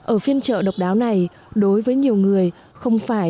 ở phiên chợ độc đáo này đối với nhiều người